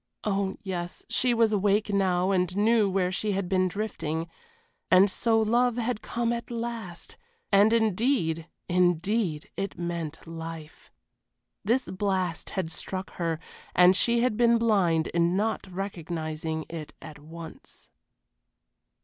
Oh yes, she was awake now and knew where she had been drifting. And so love had come at last, and indeed, indeed it meant life. This blast had struck her, and she had been blind in not recognizing it at once.